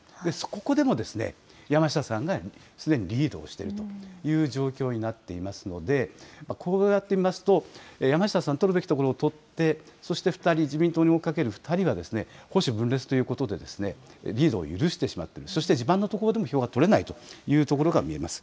ここでもですね、山下さんがすでにリードをしているという状況になっていますので、こうやって見ますと、山下さん、取るべき所を取って、そして２人、自民党、追いかける２人がですね、保守分裂ということで、リードを許してしまっている、そして地盤の所でも票が取れないというところが見えます。